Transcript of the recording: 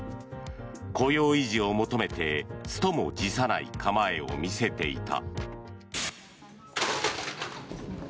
雇用維持を求めてストも辞さない構えを見せていた。